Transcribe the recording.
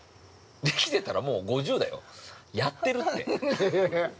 できてたらもう５０だよ、やってるって。